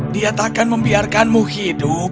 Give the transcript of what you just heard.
dia tak akan membiarkanmu hidup